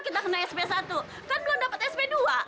kita kena sp satu kan belum dapat sp dua